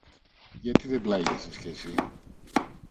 Γιατί δεν πλάγιασες και συ;